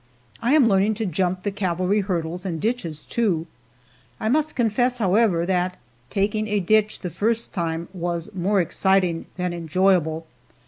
I am learning to jump the cavalry hurdles and ditches, too. I must confess, however, that taking a ditch the first time was more exciting than enjoyable.